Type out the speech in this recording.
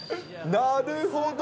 なるほど！